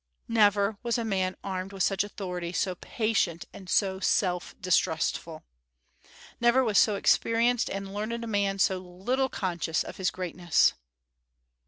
Never was a man armed with such authority so patient and so self distrustful. Never was so experienced and learned a man so little conscious of his greatness.